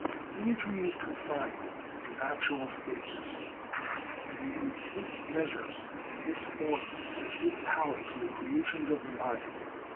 Imagery is confined to actual figures; and it is this measure and this form which give power to the creations of the mind.